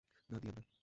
না, দিয়েন না।